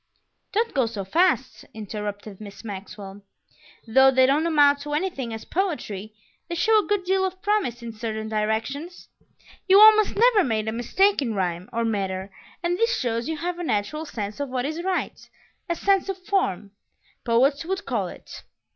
"Don't go so fast," interrupted Miss Maxwell. "Though they don't amount to anything as poetry, they show a good deal of promise in certain directions. You almost never make a mistake in rhyme or metre, and this shows you have a natural sense of what is right; a 'sense of form,' poets would call it.